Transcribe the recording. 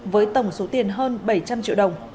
với tổng số tiền hơn bảy trăm linh triệu đồng